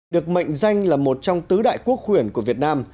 được mệnh danh là một trong tứ đại quốc khuyển của việt nam